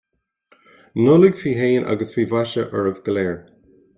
Nollaig faoi shéan agus faoi mhaise oraibh go léir